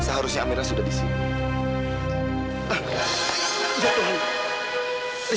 sekarang kita pergi cari ibu aku